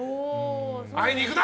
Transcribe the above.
会いに行くな！